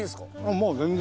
もう全然。